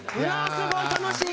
すごい楽しい！